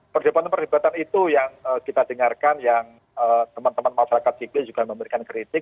perjepatan perjepatan itu yang kita dengarkan yang teman teman masyarakat sikli juga memberikan kritik